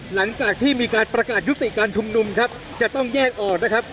หลังจากที่มีการประกาศยุติการชุมนุมครับจะต้องแยกออกนะครับ